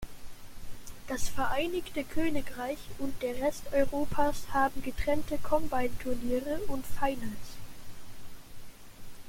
Das Vereinigte Königreich und der Rest Europas haben getrennte Combine-Turniere und Finals.